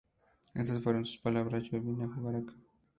Estas fueron sus palabras:"Yo vine a jugar acá.